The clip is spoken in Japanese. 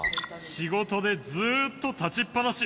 仕事でずーっと立ちっぱなし。